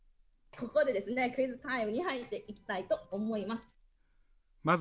ここでクイズタイムに入っていきたいと思います！